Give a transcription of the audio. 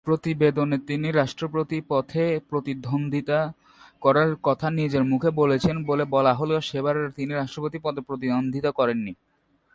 প্রতিবেদনে তিনি রাষ্ট্রপতি পথে প্রতিদ্বন্দ্বিতা করার কথা নিজ মুখে বলেছেন বলে বলা হলেও সেবার তিনি রাষ্ট্রপতি পদে প্রতিদ্বন্দ্বিতা করেন নি।